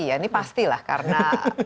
ini pastilah karena